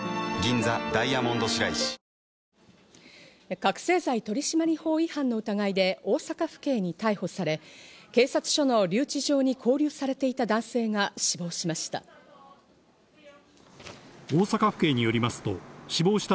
覚醒剤取締法違反の疑いで大阪府警に逮捕され、警察署の留置場に勾留されていた男性が死亡しました。